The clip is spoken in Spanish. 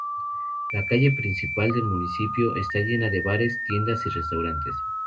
La calle principal del Municipio, está llena de bares, tiendas y restaurantes.